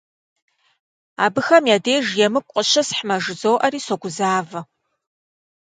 Абыхэм я деж емыкӀу къыщысхьмэ жызоӀэри согузавэ.